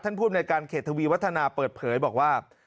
ภูมิในการเขตทวีวัฒนาเปิดเผยบอกว่า